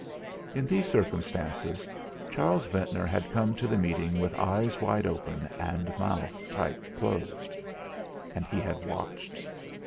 In these circumstances Charles Ventnor had come to the meeting with eyes wide open and mouth tight closed. And he had watched.